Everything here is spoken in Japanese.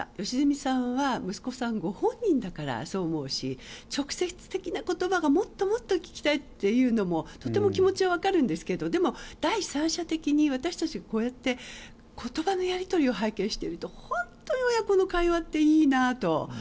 良純さんは息子さんご本人だからそう思うし直接的な言葉がもっともっと聞きたいというのもとても気持ちは分かるんですけどでも、第三者的に私たちがこうやって言葉のやり取りを拝見していると本当に親子の会話っていいなと。